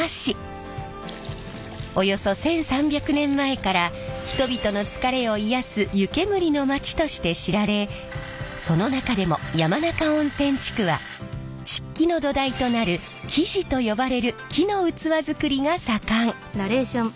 およそ１，３００年前から人々の疲れを癒やす湯けむりの街として知られその中でも山中温泉地区は漆器の土台となる木地と呼ばれる木の器作りが盛ん！